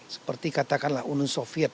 seperti katakanlah uni soviet